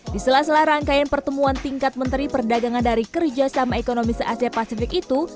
di sela sela rangkaian pertemuan tingkat menteri perdagangan dari kerjasama ekonomi se asia pasifik itu